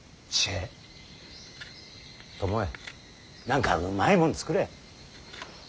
巴何かうまいもん作れ。